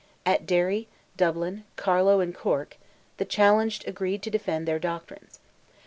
At Derry, Dublin, Carlow, and Cork, the challenged agreed to defend their doctrines.